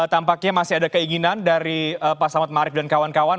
tampaknya masih ada keinginan dari pak selamat ⁇ maarif dan kawan kawan